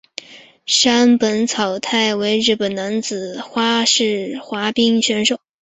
山本草太为日本男子花式滑冰选手。